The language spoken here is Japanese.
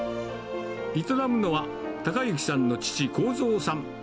営むのは、孝幸さんの父、孝三さん。